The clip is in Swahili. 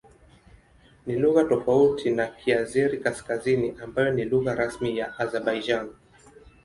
Ni lugha tofauti na Kiazeri-Kaskazini ambayo ni lugha rasmi nchini Azerbaijan.